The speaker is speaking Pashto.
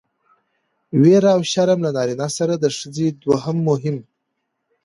ويره او شرم له نارينه سره د ښځې دوه مهم